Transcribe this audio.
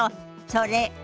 それ。